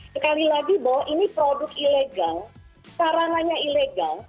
sekali lagi bahwa ini produk ilegal sarananya ilegal